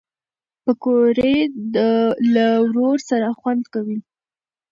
پکورې له ورور سره خوند کوي